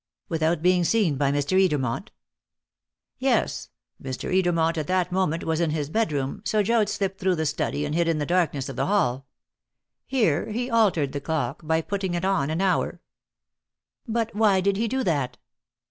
"Without being seen by Mr. Edermont?" "Yes. Mr. Edermont at that moment was in his bedroom, so Joad slipped through the study and hid in the darkness of the hall. Here he altered the clock by putting it on an hour." "But why did he do that?"